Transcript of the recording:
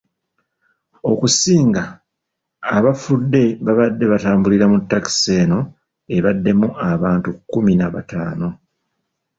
Okusinga abafudde babadde batambulira mu takisi eno ebaddemu abantu kumi na bataano.